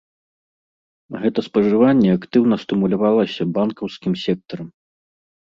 Гэта спажыванне актыўна стымулявалася банкаўскім сектарам.